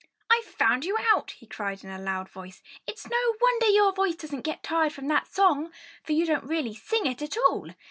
"I've found you out!" he cried in a loud voice. "It's no wonder your voice doesn't get tired from that song! For you don't really sing it at all!